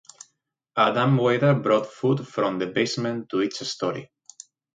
A dumbwaiter brought food from the basement to each story.